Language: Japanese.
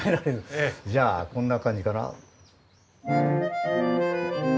じゃあこんな感じかな？